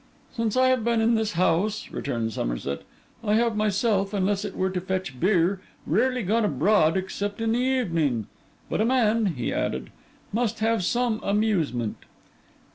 'Since I have been in this house,' returned Somerset, 'I have myself, unless it were to fetch beer, rarely gone abroad except in the evening. But a man,' he added, 'must have some amusement.